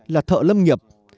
là thợ lâm nhập